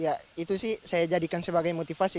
ya itu sih saya jadikan sebagai motivasi